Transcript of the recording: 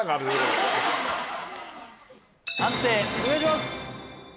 判定お願いします！